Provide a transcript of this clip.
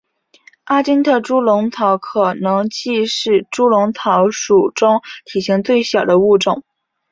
阿金特猪笼草可能既是猪笼草属中体型最小的物种。